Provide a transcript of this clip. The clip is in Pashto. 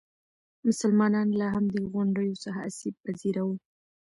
مسلمانان له همدې غونډیو څخه آسیب پذیره وو.